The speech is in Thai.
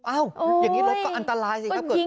อ้าวอย่างนี้รถก็อันตรายสิครับ